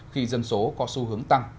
khi dân số có xu hướng tăng